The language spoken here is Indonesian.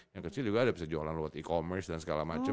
yang kecil juga ada bisa jualan lewat e commerce dan segala macam